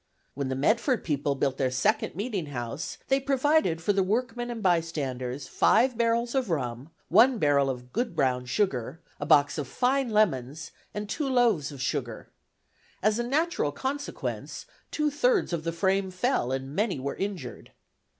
"When the Medford people built their second meeting house, they provided for the workmen and bystanders, five barrels of rum, one barrel of good brown sugar, a box of fine lemons, and two loaves of sugar. As a natural consequence, two thirds of the frame fell, and many were injured.